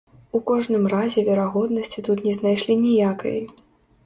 У кожным разе верагоднасці тут не знайшлі ніякай.